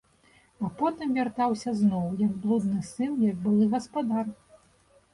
А потым вяртаўся зноў, як блудны сын, як былы гаспадар.